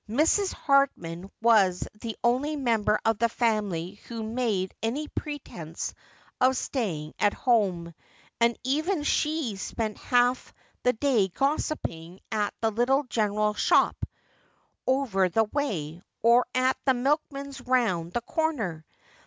Mrs. Hardman was the only member of the family who made any pretence of staying at home ; and even she spent half the day gossiping at the little general shop over the way, or at the milkman's round the corner.